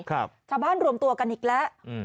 ชาวบ้านรวมตัวกันอีกแล้วอืม